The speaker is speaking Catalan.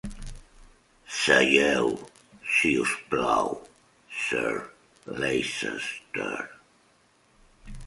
Seieu si us plau, Sir Leicester.